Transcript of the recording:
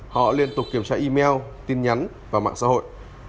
họ liên tục kiểm tra email tin nhắn và mạng xã hội